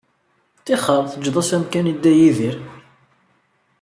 Tixer, teǧǧed-as amkan i Dda Yidir.